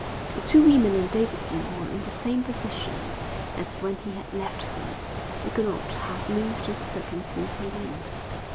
The two women and Davidson were in the same positions as when he had left them. They could not have moved or spoken since he went.